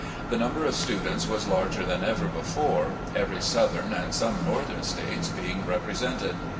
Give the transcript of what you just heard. The number of students was larger than ever before, every southern, and some northern States being represented.